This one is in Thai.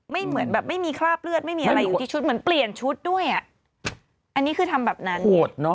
เหมือนแบบไม่มีคราบเลือดไม่มีอะไรอยู่ที่ชุดเหมือนเปลี่ยนชุดด้วยอ่ะอันนี้คือทำแบบนั้น